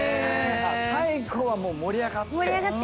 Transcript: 最後はもう盛り上がって。